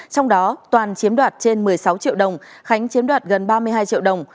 trong đó toàn chiếm đoạt trên một mươi sáu triệu đồng khánh chiếm đoạt gần ba mươi hai triệu đồng